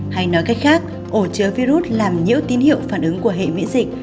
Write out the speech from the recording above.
hay nói cách khác ổ chứa virus làm nhiễu tín hiệu phản ứng của hệ miễn dịch